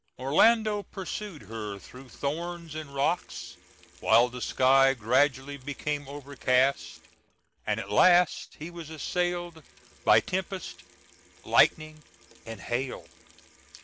Orlando pursued her through thorns and rocks, while the sky gradually became overcast, and at last he was assailed by tempest, lightning, and hail.